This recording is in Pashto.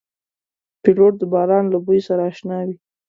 پیلوټ د باران له بوی سره اشنا وي.